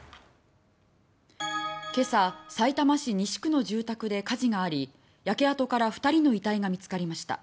今朝、さいたま市西区の住宅で火事があり焼け跡から２人の遺体が見つかりました。